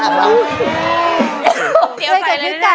โอ้โฮเดี๋ยวใส่เลยได้ได้หรือเปล่า